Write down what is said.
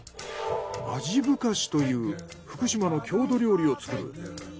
味ぶかしという福島の郷土料理を作る。